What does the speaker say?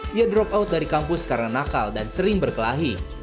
dia drop out dari kampus karena nakal dan sering berkelahi